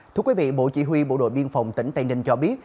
thưa quý vị bộ chỉ huy bộ đội biên phòng tỉnh tây ninh cho biết